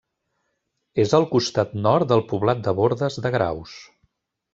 És al costat nord del poblat de bordes de Graus.